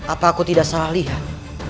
apa aku tidak salah lihat